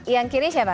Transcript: yang kiri siapa